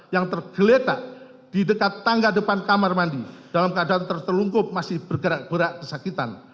yang tergeletak di dekat tangga depan kamar mandi dalam keadaan tertelungkup masih bergerak gerak kesakitan